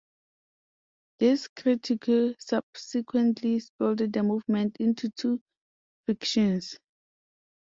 This "critique" subsequently split the movement into two factions.